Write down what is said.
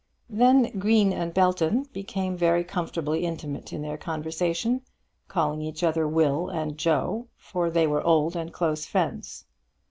Then Green and Belton became very comfortably intimate in their conversation, calling each other Will and Joe, for they were old and close friends.